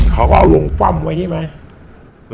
เขาก็เอาลงฟ่ำไว้ใช่ไหม